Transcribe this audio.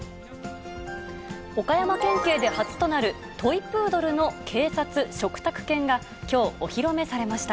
岡山県警で初となるトイプードルの警察嘱託犬が、きょう、お披露目されました。